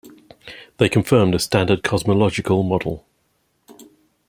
They confirm the standard cosmological model.